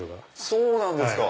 そうなんですか！